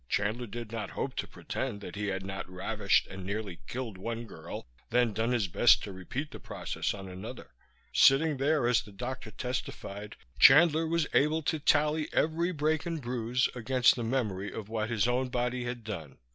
Chandler did not hope to pretend that he had not ravished and nearly killed one girl, then done his best to repeat the process on another. Sitting there as the doctor testified, Chandler was able to tally every break and bruise against the memory of what his own body had done.